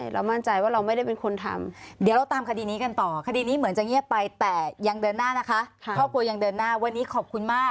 เรามั่นใจว่าเราไม่ได้เป็นคุณทำ